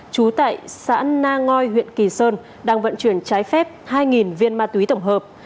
trú tại xã na ngoi huyện kỳ sơn đang vận chuyển trái phép hai viên ma túy tổng hợp